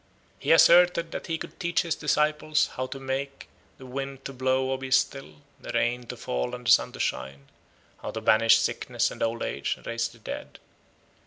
He asserted that he could teach his disciples how to make the wind to blow or be still, the rain to fall and the sun to shine, how to banish sickness and old age and to raise the dead.